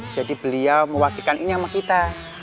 jadi beliau mewakilkan ini sama kita